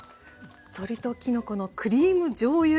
鶏ときのこのクリームじょうゆ煮